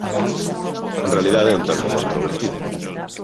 En realidade é un termo controvertido.